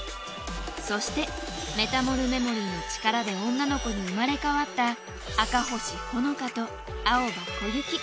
そしてメタモルメモリーの力で女の子に生まれ変わった赤星ホノカと青羽コユキ。